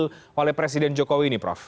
apa yang diambil oleh presiden jokowi ini prof